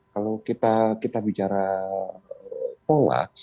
kalau kita bicara pola